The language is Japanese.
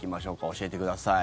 教えてください。